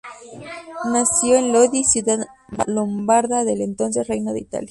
Nació en Lodi, ciudad lombarda del entonces Reino de Italia.